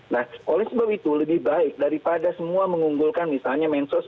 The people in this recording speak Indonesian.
nah oleh sebab itu lebih baik daripada semua mengunggulkan misalnya mensos